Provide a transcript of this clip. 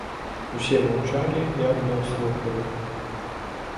Усе маўчалі і адно слухалі.